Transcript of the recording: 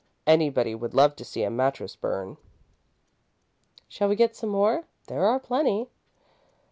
Anybody would love to see a mattress burn." "Shall we get some more? There are plenty."